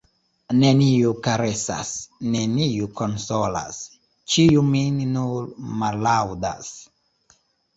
Neniu karesas, neniu konsolas, ĉiu min nur mallaŭdas.